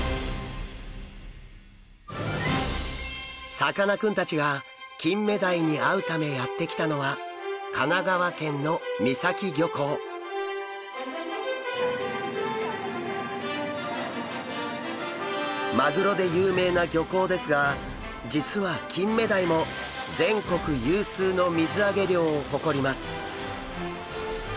さかなクンたちがキンメダイに会うためやって来たのはマグロで有名な漁港ですが実はキンメダイも全国有数の水揚げ量を誇ります。